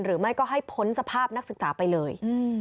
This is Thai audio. หรือไม่ก็ให้พ้นสภาพนักศึกษาไปเลย